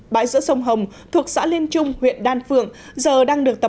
bãi giữa sông hồng thuộc xã liên trung huyện đan phượng